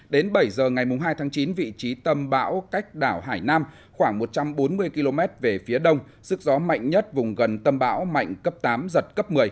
đến bảy giờ ngày hai tháng chín vị trí tâm bão cách đảo hải nam khoảng một trăm bốn mươi km về phía đông sức gió mạnh nhất vùng gần tâm bão mạnh cấp tám giật cấp một mươi